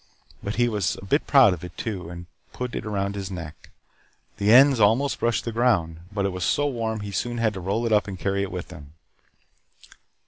But he was a bit proud of it too, and put it around his neck. The ends almost brushed the ground, but it was so warm that he soon had to roll it up and carry it with him.